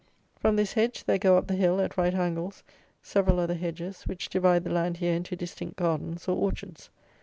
From this hedge there go up the hill, at right angles, several other hedges, which divide the land here into distinct gardens, or orchards.